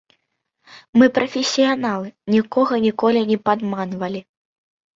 Мы прафесіяналы, нікога ніколі не падманвалі.